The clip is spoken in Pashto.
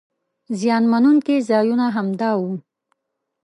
زیان مننونکي ځایونه همدا وو.